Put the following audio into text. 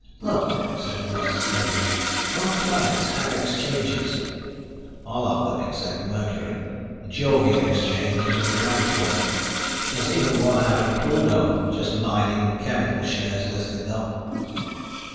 "Look," said Russ slowly, "what planets have exchanges?" "All of them except Mercury. The Jovian exchange is at Ranthoor. There's even one out at Pluto. Just mining and chemical shares listed, though."